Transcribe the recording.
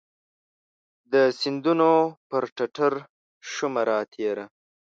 د سیندونو پر ټټرشومه راتیره